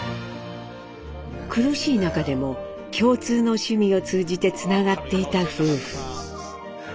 苦しい中でも共通の趣味を通じてつながっていた夫婦。